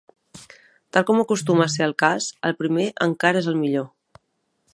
Tal com acostuma a ser el cas, el primer encara és el millor.